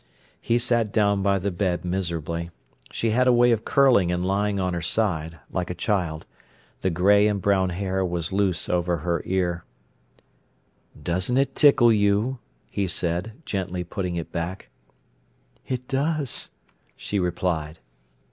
He sat down by the bed, miserably. She had a way of curling and lying on her side, like a child. The grey and brown hair was loose over her ear. "Doesn't it tickle you?" he said, gently putting it back. "It does," she replied.